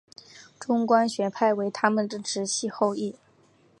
中观学派为他们的直系后裔。